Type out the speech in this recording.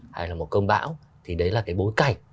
hay là một cơn bão thì đấy là cái bối cảnh